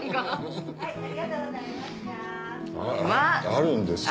あるんですよ。